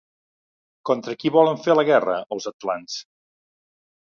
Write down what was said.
Contra qui volien fer la guerra els atlants?